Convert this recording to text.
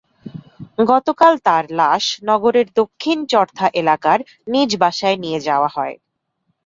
গতকাল তাঁর লাশ নগরের দক্ষিণ চর্থা এলাকার নিজ বাসায় নিয়ে যাওয়া হয়।